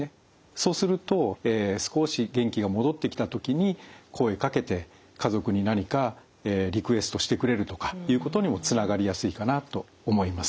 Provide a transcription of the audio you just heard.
そうすると少し元気が戻ってきた時に声かけて家族に何かリクエストしてくれるとかいうことにもつながりやすいかなと思います。